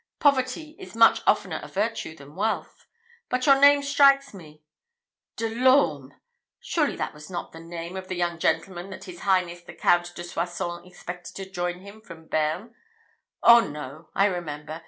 Poverty is much oftener a virtue than wealth. But your name strikes me De l'Orme! Surely that was not the name of the young gentleman that his highness the Count de Soissons expected to join him from Bearn oh, no, I remember!